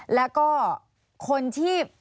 แล้วก็คนที่